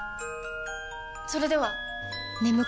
それでは！